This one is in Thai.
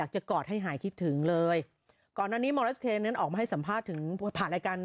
ใช่ค่ะป๊อปพรอนข้างบน